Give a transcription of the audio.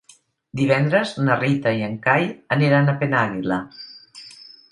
Divendres na Rita i en Cai aniran a Penàguila.